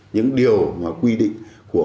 những điều và quy định của khu vực